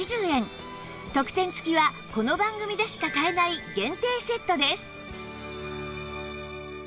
特典付きはこの番組でしか買えない限定セットです